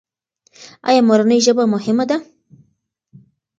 ایا مورنۍ ژبه مهمه ده؟